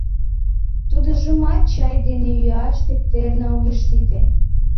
— Тудыжымат чай дене Йӱаш тептерна огеш сите...